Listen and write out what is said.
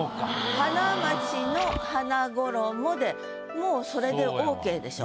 「花街の花衣」でもうそれでオーケーでしょ？